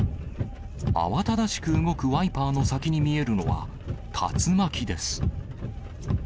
慌ただしく動くワイパーの先に見えるのは、竜巻です。